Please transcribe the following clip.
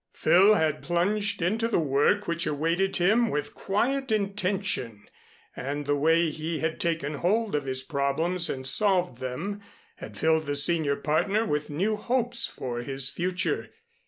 Phil had plunged into the work which awaited him with quiet intention, and the way he had taken hold of his problems and solved them, had filled the senior partner with new hopes for his future.